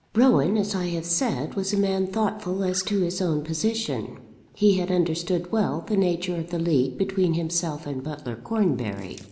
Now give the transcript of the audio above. Rowan, as I have said, was a man thoughtful as to his own position. He had understood well the nature of the league between himself and Butler Cornbury.